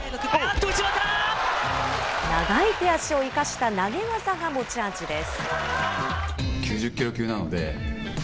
長い手足を生かした投げ技が持ち味です。